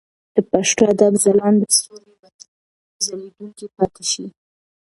د پښتو ادب ځلانده ستوري به تل ځلېدونکي پاتې شي.